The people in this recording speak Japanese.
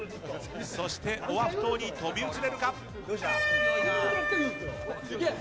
そして、オアフ島に飛び移れるか。